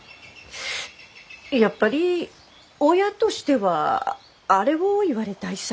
やっぱり親としてはあれを言われたいさ。